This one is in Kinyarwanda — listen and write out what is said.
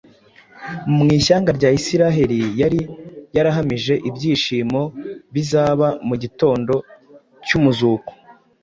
mu ishyanga rya Isiraheli yari yarahamije ibyishimo bizaba mu gitondo cy’umuzuko.